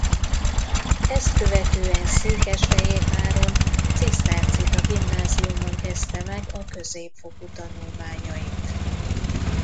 Ezt követően Székesfehérváron cisztercita gimnáziumban kezdte meg a középfokú tanulmányait.